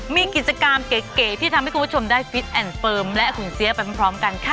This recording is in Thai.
มีกิจกรรมเก๋ที่ทำให้คุณผู้ชมได้ฟิตแอนด์เฟิร์มและขุนเสียไปพร้อมกันค่ะ